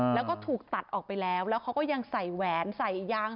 แล้วก็ถูกตัดออกไปแล้วแล้วเขาก็ยังใส่แหวนใส่ยาง